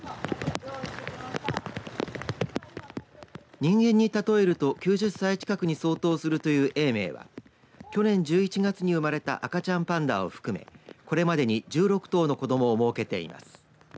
人間に例えると９０歳近くに相当するという永明は去年１１月に生まれた赤ちゃんパンダを含めこれまでに１６頭の子どもをもうけています。